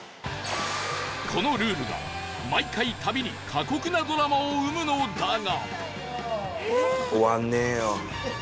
このルールが毎回旅に過酷なドラマを生むのだが